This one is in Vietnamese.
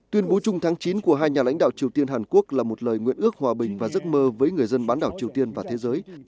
tuyên bố chung tháng chín của hai nhà lãnh đạo triều tiên hàn quốc là một lời nguyện ước hòa bình và giấc mơ với người dân bán đảo triều tiên và thế giới